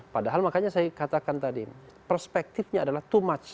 padahal makanya saya katakan tadi perspektifnya adalah too much